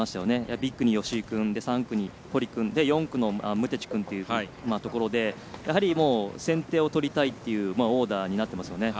１区に吉居君で３区に堀君で４区のムテチ君というところでやはり先手を取りたいというオーダーになっていますよね。